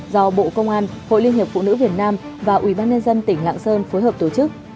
do bộ công an hội liên hiệp phụ nữ việt nam và ủy ban nhân dân tỉnh lạng sơn phối hợp tổ chức